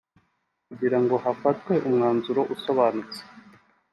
kugira ngo hafatwe umwanzuro usobanutse